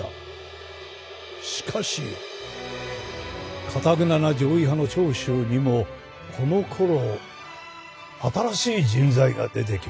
しかしかたくなな攘夷派の長州にもこのころ新しい人材が出てきました。